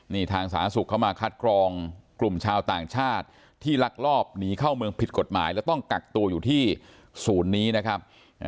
นี่ทางสาธารณสุขเข้ามาคัดกรองกลุ่มชาวต่างชาติที่ลักลอบหนีเข้าเมืองผิดกฎหมายและต้องกักตัวอยู่ที่ศูนย์นี้นะครับ